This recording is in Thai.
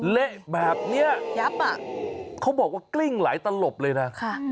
เหละแบบนี้เขาบอกว่ากลิ้งหลายตะลบเลยนะ